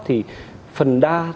thì phần đa